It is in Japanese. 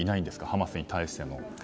ハマスに対して。